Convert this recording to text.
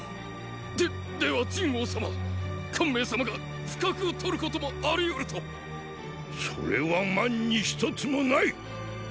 ででは仁凹様汗明様が不覚を取ることも有り得ると⁉それは万に一つも無い！